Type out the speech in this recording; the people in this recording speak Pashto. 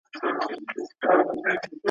که بد ښکاري، پرېکړه مه کوئ.